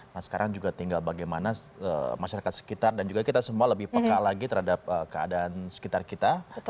nah sekarang juga tinggal bagaimana masyarakat sekitar dan juga kita semua lebih peka lagi terhadap keadaan sekitar kita